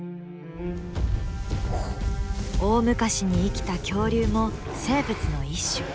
大昔に生きた恐竜も生物の一種。